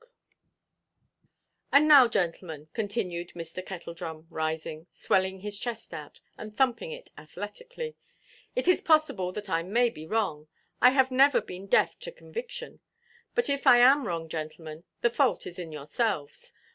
'" "And now, gentlemen," continued Mr. Kettledrum, rising, swelling his chest out, and thumping it athletically, "it is possible that I may be wrong; I have never been deaf to conviction; but if I am wrong, gentlemen, the fault is in yourselves.